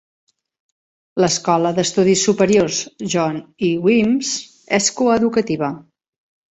L'escola d'estudis superiors John E. Weems és coeducativa.